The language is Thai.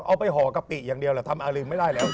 เอาไปหอกะปิอย่างเดียวแล้วทำอะไรอีกไม่ได้แล้ว